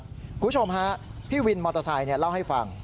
คุณผู้ชมฮะพี่วินมอเตอร์ไซค์เล่าให้ฟัง